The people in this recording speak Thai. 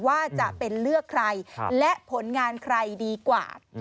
ว่าจะเป็นเลือกใครและผลงานใครดีกว่า